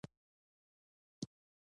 دی په تګ کې ستونزه لري.